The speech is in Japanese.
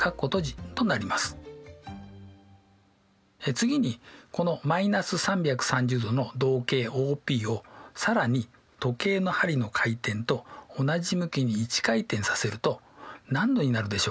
次にこの−３３０°の動径ＯＰを更に時計の針の回転と同じ向きに１回転させると何度になるでしょうか？